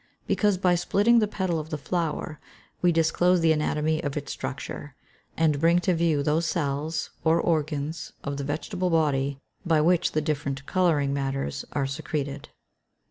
_ Because, by splitting the petal of the flower, we disclose the anatomy of its structure, and bring to view those cells, or organs, of the vegetable body, by which the different colouring matters are secreted.